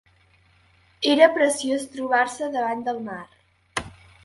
Era preciós trobar-se davant del mar.